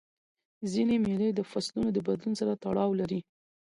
ځیني مېلې د فصلو د بدلون سره تړاو لري.